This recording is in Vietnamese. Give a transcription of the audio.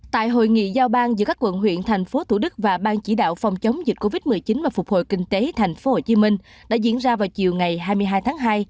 tại hội nghị giao ban giữa các quận huyện thành phố thủ đức và ban chỉ đạo phòng chống dịch covid một mươi chín và phục hồi kinh tế thành phố hồ chí minh đã diễn ra vào chiều ngày hai mươi hai tháng hai